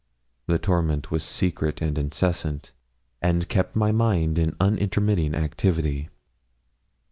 The torment was secret and incessant, and kept my mind in unintermitting activity.